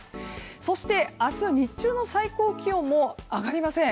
そして、明日日中の最高気温も上がりません。